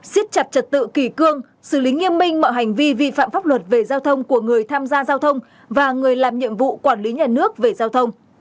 xiết chặt trật tự kỳ cương xử lý nghiêm minh mọi hành vi vi phạm pháp luật về giao thông của người tham gia giao thông và người làm nhiệm vụ quản lý nhà nước về giao thông